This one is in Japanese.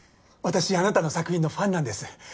私あなたの作品のファンなんです。